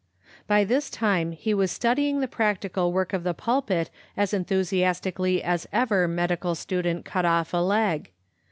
By this time he was studying the practical work of the pulpit as enthusias tically as ever medical student cut off a leg.